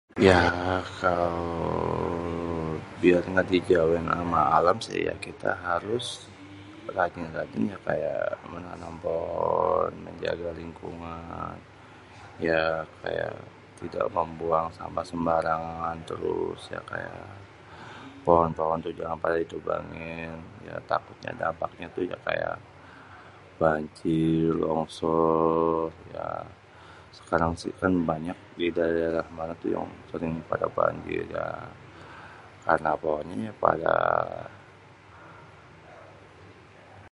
Ya kalo biar ga dijauhin sama alam si ya kita harus rajin-rajin ya kaya menanem pohon menjage lingkungan ya kaya tidak membuang sampah sembarangan terus ya kaya, pohon-pohon tuh itu pada jangan di tebangin takut dampak nye tuh kaya banjir, longsor terus ya sekarang si kan banyak di daerah mana tuh sering pada banjir ya karna pohonnyé yé pada.